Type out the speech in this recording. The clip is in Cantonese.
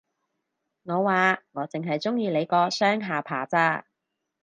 我話，我剩係鍾意你個雙下巴咋